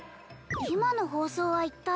今の放送は一体？